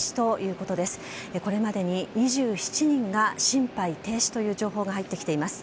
これまでに２７人が心肺停止という情報が入ってきています。